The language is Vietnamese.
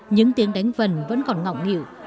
những tiếng đánh vần vẫn còn ngọng ngào